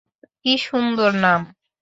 কি সুন্দর নাম।